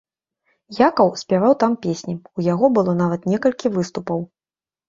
Якаў спяваў там песні, у яго было нават некалькі выступаў.